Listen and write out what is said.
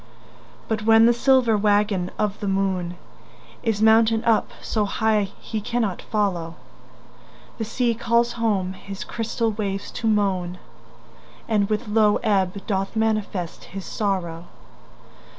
But when the silver waggon of the moon Is mounted up so high he cannot follow, The sea calls home his crystal waves to moan, And with low ebb doth manifest his sorrow.